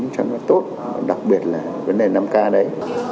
cho nó tốt đặc biệt là vấn đề năm k đấy